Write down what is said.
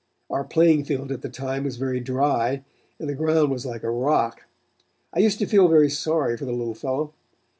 Our playing field at the time was very dry and the ground was like a rock. I used to feel very sorry for the little fellow.